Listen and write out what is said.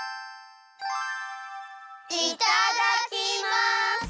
いただきます！